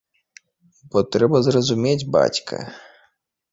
Бо трэба зразумець, бацька.